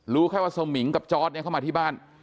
รู้แค่ว่าสมิงกับจอร์ดเนี่ยเข้ามาที่บ้าน